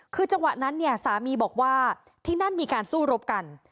คือจังหวะนั้นเนี่ยสามีบอกว่าที่นั่นมีการสู้รบกัน